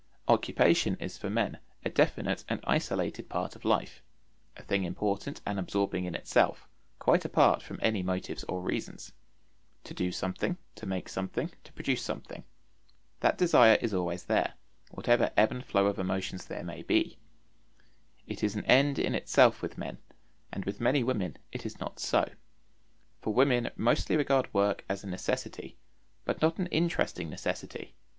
Occupation is for men a definite and isolated part of life, a thing important and absorbing in itself, quite apart from any motives or reasons. To do something, to make something, to produce something that desire is always there, whatever ebb and flow of emotions there may be; it is an end in itself with men, and with many women it is not so; for women mostly regard work as a necessity, but not an interesting necessity.